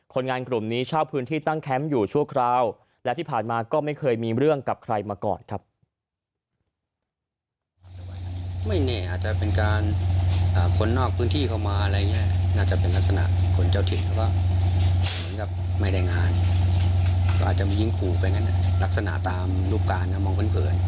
คนงานกลุ่มนี้ชอบพื้นที่ตั้งแคมป์อยู่ชั่วคราวและที่ผ่านมาก็ไม่เคยมีเรื่องกับใครมาก่อนครับ